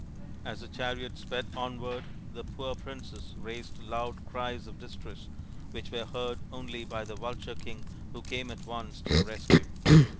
As the chariot sped onward the poor princess raised loud cries of distress which were heard only by the vulture king, who came at once to the rescue.